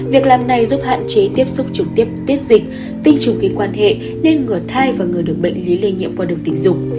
việc làm này giúp hạn chế tiếp xúc chủng tiếp tiết dịch tình chủng ký quan hệ nên ngừa thai và ngừa được bệnh lý lây nhiệm qua đường tình dục